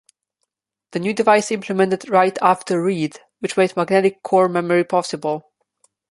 The new device implemented "write-after-read" which made magnetic core memory possible.